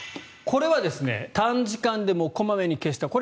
これは短時間でも小まめに消すといい。